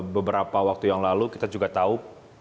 beberapa waktu yang lalu kita juga tahu